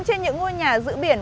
trên những ngôi nhà giữ biển